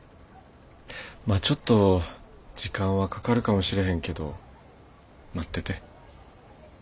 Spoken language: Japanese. まあちょっと時間はかかるかもしれへんけど待ってて。